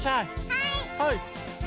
はい！